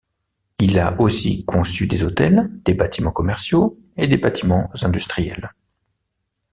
Il a aussi conçu des hôtels, des bâtiments commerciaux et des bâtiments industriels.